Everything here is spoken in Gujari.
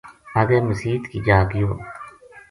اَگے مسیت کی جا گیو